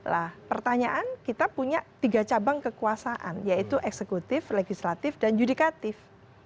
nah pertanyaan kita punya tiga cabang kekuasaan yaitu eksekutif legislatif dan yudikatif